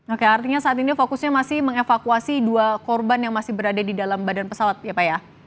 oke artinya saat ini fokusnya masih mengevakuasi dua korban yang masih berada di dalam badan pesawat ya pak ya